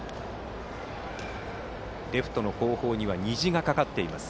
レフト後方には虹がかかっています。